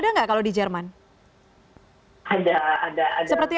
di sini juga kebetulan ada komunitas muslim indonesia